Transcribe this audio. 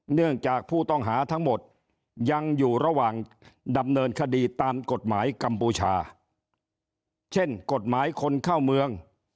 เนื่องจากผู้ต้องหาทั้งหมดยังอยู่ระหว่างดำเนินคดีตามกฎหมายกัมพูชาเช่นกฎหมายคนเข้าเมือง